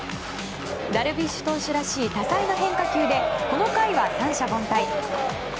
ダルビッシュ投手らしい多彩な変化球でこの回は三者凡退。